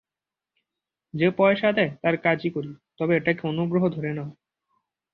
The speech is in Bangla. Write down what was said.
যে পয়সা দেয় তার কাজই করি, তবে এটাকে অনুগ্রহ ধরে নাও।